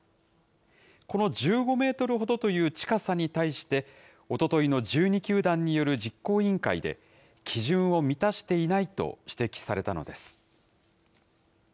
この１５メートルほどという近さに対して、おとといの１２球団による実行委員会で、基準を満たしていないと指摘されたのです。